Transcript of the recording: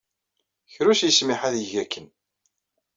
Kra ur s-yesmiḥ ad yeg akken.